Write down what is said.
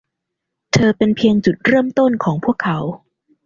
เธอเป็นเพียงจุดเริ่มต้นของพวกเขา